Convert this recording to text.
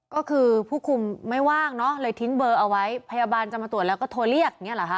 ก็คือผู้คุมไม่ว่างเนอะเลยทิ้งเบอร์เอาไว้พยาบาลจะมาตรวจแล้วก็โทรเรียกอย่างนี้เหรอคะ